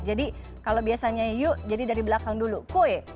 jadi kalau biasanya yuk jadi dari belakang dulu kui